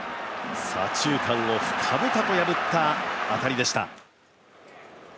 左中間を深々と破った当たりでした。